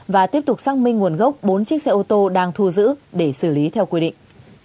và tiếp tục xác minh nguồn gốc bốn chiếc xe ô tô đang thu giữ để xử lý theo quy định